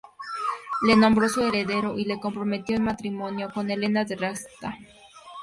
Le nombró su heredero, y le comprometió en matrimonio con Helena de Raška.